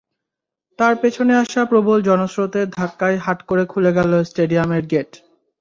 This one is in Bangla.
তাঁর পেছনে আসা প্রবল জনস্রোতের ধাক্কায় হাট করে খুলে গেল স্টেডিয়ামের গেট।